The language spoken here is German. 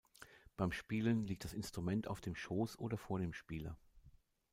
Beim Spielen liegt das Instrument auf dem Schoß oder vor dem Spieler.